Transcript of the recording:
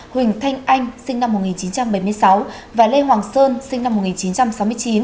huỳnh thanh anh sinh năm một nghìn chín trăm bảy mươi sáu và lê hoàng sơn sinh năm một nghìn chín trăm sáu mươi chín